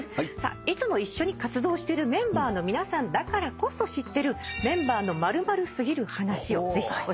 いつも一緒に活動してるメンバーの皆さんだからこそ知ってる「メンバーの○○過ぎる話」をぜひ教えていただきたいと思います。